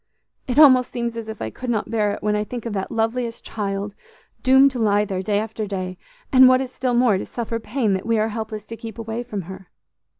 It almost seems as if I could not bear it when I think of that loveliest child doomed to lie there day after day, and, what is still more, to suffer pain that we are helpless to keep away from her.